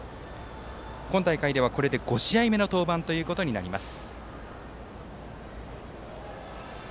今大会では、これで５試合目の登板ということになります。